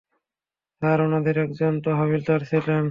Sir, ওনাদের একজন তো হাবিলদার ছিলেন।